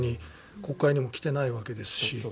国会にも来てないわけですし。